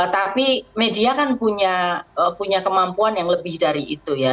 tapi media kan punya kemampuan yang lebih dari itu ya